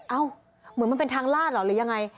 เหมือนมันเป็นทางลาดเหรอหรือยังไง